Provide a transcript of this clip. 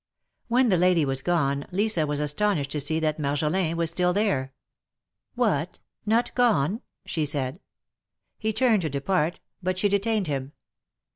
When the lady was gone, Lisa was astonished to see that Marjolin was still there. " What! not gone ? she said. He turned to depart, but she detained him.